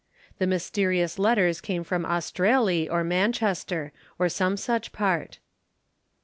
The mysterious letters came from Australy or Manchester, or some such part.